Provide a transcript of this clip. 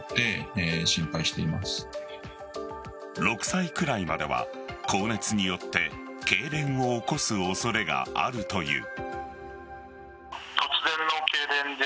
６歳くらいまでは高熱によってけいれんを起こす恐れがあるという。